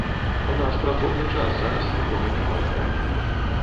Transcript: У нас у працоўны час зараз нікога няма ў краме.